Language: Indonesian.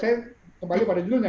saya kembali pada judulnya